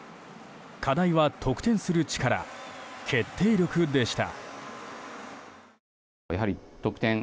課題は得点する力、決定力でした。